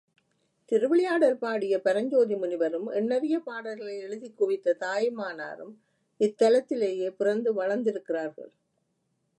திருவிளையாடல் பாடிய பரஞ்சோதி முனிவரும், எண்ணரிய பாடல்களை எழுதிக் குவித்த தாயுமானாரும் இத்தலத்திலேயே பிறந்து வளர்ந்திருக்கிறார்கள்.